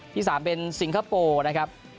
ที่๓เป็นสิงคโปร์นะครับ